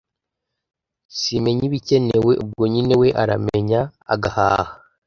simenya ibikenewe, ubwo nyine we arayamenya, agahaha,